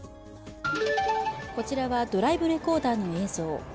こちらはドライブレコーダーの映像。